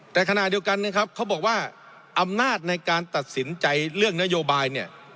แต่ขณะเดียวกันเขาบอกว่าอำนาจในการตัดสินใจเรื่องนโยบาย